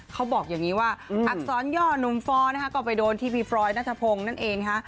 เขาบอกอย่างนี้ว่าอักษรย่อนุ่มฟอร์นะคะก็ไปโดนที่พี่ฟรอยนัทพงศ์นั่นเองนะคะ